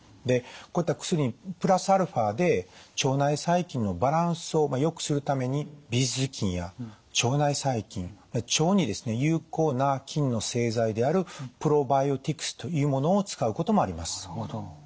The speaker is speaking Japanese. でこういった薬にプラスアルファで腸内細菌のバランスをよくするためにビフィズス菌や腸内細菌腸に有効な菌の製剤であるプロバイオティクスというものを使うこともあります。